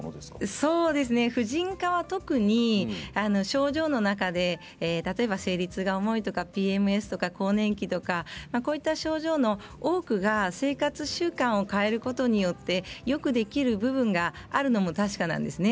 そうですね婦人科は特に症状の中で例えば生理痛が重いとかＰＭＳ更年期、こういった症状の多くは生活習慣を変えることによってよくできる部分があるのも確かなんですね。